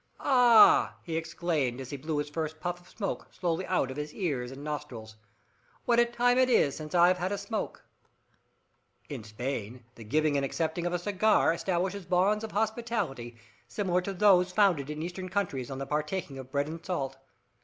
"Ah!" he exclaimed, as he blew his first puff of smoke slowly out of his ears and nostrils. "What a time it is since I've had a smoke!" In Spain the giving and accepting of a cigar establishes bonds of hospitality similar to those founded in Eastern countries on the partaking of bread and salt.